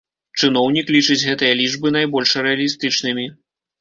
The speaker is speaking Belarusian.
Чыноўнік лічыць гэтыя лічбы найбольш рэалістычнымі.